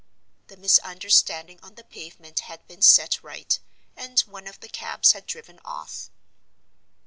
The misunderstanding on the pavement had been set right, and one of the cabs had driven off.